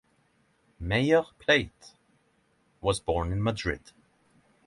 Meyer Pleite was born in Madrid.